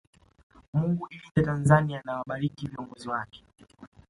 Mungu ilinde Tanzania na wabariki viongozi wake